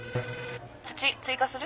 土追加する？